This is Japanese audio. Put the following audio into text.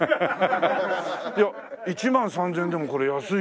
いや１万３０００円でもこれ安いよ。